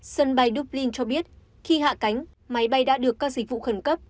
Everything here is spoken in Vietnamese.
sân bay dublin cho biết khi hạ cánh máy bay đã được các dịch vụ khẩn cấp